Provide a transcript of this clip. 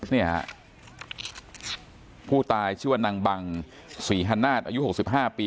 นี่ฮะผู้ตายชื่อว่านางบังศรีฮัณนาฏอายุหกสิบห้าปี